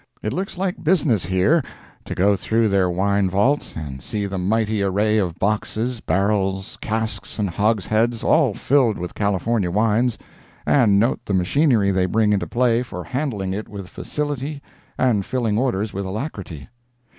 It looks like business, here, to go through their wine vaults, and see the mighty array of boxes, barrels, casks and hogsheads, all filled with California wines, and note the machinery they bring into play for handling it with facility and filling orders with alacrity.